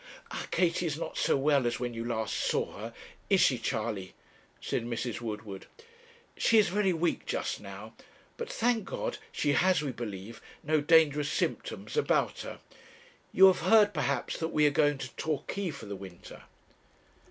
'Our Katie is not so well as when you last saw her is she, Charley?' said Mrs. Woodward. 'She is very weak just now; but thank God she has, we believe, no dangerous symptoms about her. You have heard, perhaps, that we are going to Torquay for the winter?'